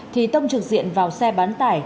thì tông trực diện vào xe bán tải